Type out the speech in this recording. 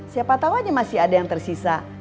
siapa tahu aja masih ada yang tersisa